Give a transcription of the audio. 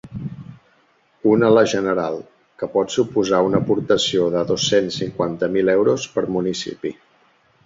Una la general, que pot suposar una aportació de dos-cents cinquanta mil euros per municipi.